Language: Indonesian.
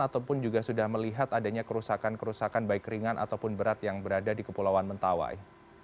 ataupun juga sudah melihat adanya kerusakan kerusakan baik ringan ataupun berat yang berada di kepulauan mentawai